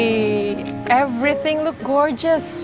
semuanya keliatan cantik